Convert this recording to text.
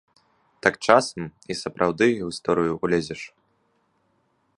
Так часам і сапраўды ў гісторыю ўлезеш.